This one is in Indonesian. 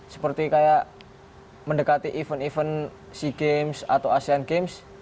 seperti kayak mendekati event event sea games atau asean games